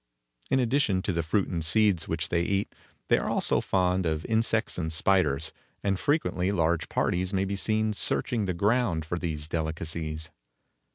In addition to the fruit and seeds which they eat, they are also fond of insects and spiders, and frequently large parties may be seen searching the ground for these delicacies.